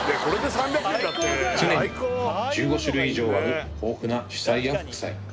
常に１５種類以上ある豊富な主菜や副菜